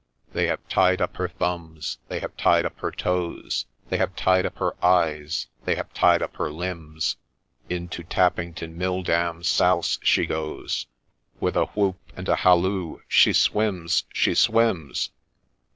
They have tied up her thumbs, they have tied up her toes, They have tied up her eyes, they have tied up her limbs I Into Tappington mill dam souse she goes, With a whoop and a halloo !—' She swims !— She swims